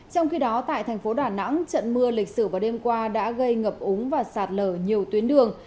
trong khi đó tại thành phố đà nẵng trận mưa lịch sử vào đêm qua đã gây ngập úng và sạt lở nhiều tuyến đường